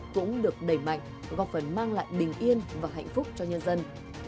cũng được đẩy mạnh góp phần mang lại bình yên và hạnh phúc cho nhân dân